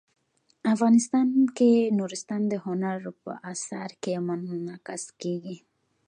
افغانستان کې نورستان د هنر په اثار کې منعکس کېږي.